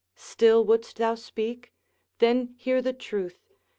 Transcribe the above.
Still wouldst thou speak? then hear the truth!